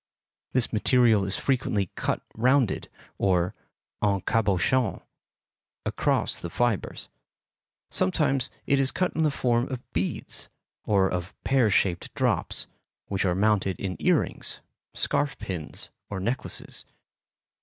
This material is frequently cut rounded, or en cabochon, across the fibres; sometimes it is cut in the form of beads, or of pear shaped drops, which are mounted in ear rings, scarf pins, or necklaces.